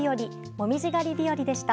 紅葉狩り日和でした。